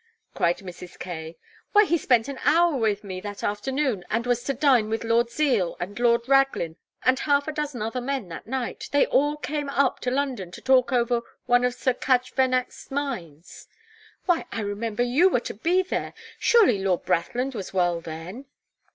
cried Mrs. Kaye. "Why he spent an hour with me that afternoon, and was to dine with Lord Zeal and Lord Raglin and half a dozen other men that night they all came up to London to talk over one of Sir Cadge Vanneck's mines. Why I remember you were to be there. Surely Lord Brathland was well then?"